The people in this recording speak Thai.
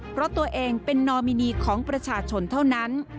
เพราะตัวเองเป็นนอมินีของประชาชนเท่านั้น